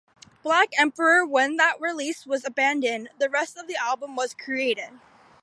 Black Emperor; when that release was abandoned, the rest of the album was created.